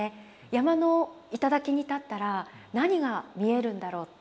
山の頂に立ったら何が見えるんだろう